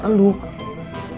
aku tuh kaya